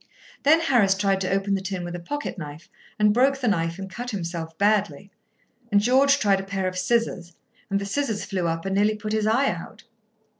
Then Harris tried to open the tin with a pocket knife, and broke the knife and cut himself badly; and George tried a pair of scissors, and the scissors flew up, and nearly put his eye out.